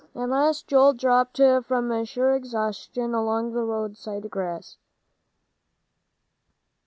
At last Joel dropped from sheer exhaustion on the roadside grass.